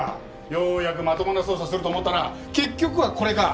ようやくまともな捜査すると思ったら結局はこれか！